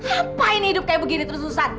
apa ini hidup kayak begini terus susah